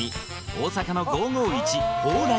大阪の５５１蓬莱